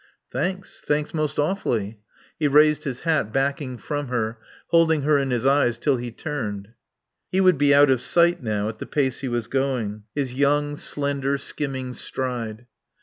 "Thanks. Thanks most awfully." He raised his hat, backing from her, holding her in his eyes till he turned. He would be out of sight now at the pace he was going; his young, slender, skimming stride.